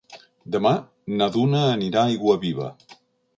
Demà na Duna anirà a Aiguaviva.